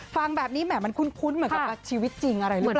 ฟังแบบนี้แหมมันคุ้นเหมือนกับชีวิตจริงอะไรหรือเปล่า